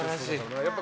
やっぱり。